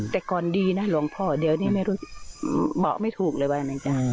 แต่ก่อนดีนะหลวงพ่อเดี๋ยวนี้ไม่รู้บอกไม่ถูกเลยว่านะจ๊ะ